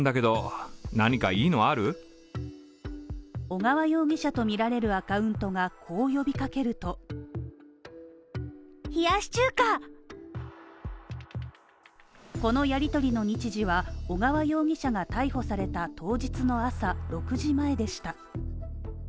小川容疑者とみられるアカウントがこう呼びかけるとこのやりとりの日時は小川容疑者が逮捕された当日の朝６時前でした。